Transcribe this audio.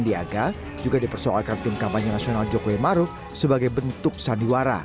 di kota sandiwara uno dan menangkap orang orang yang berpengalaman